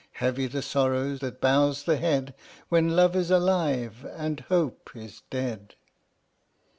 Heavy the sorrow that bows the head When Love is alive and Hope is dead!